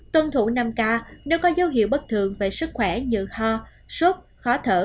tuân thủ năm k nếu có dấu hiệu bất thường về sức khỏe như ho sốt khó thở